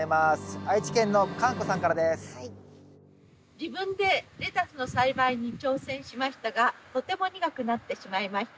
自分でレタスの栽培に挑戦しましたがとても苦くなってしまいました。